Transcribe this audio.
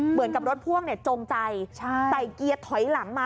เหมือนกับรถพ่วงจงใจใส่เกียร์ถอยหลังมา